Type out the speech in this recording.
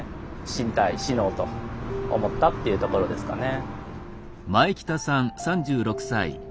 死にたい死のうと思ったっていうところですかね。